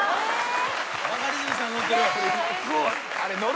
バカリズムさん乗ってる。